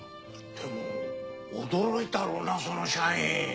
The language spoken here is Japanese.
でも驚いたろうなその社員。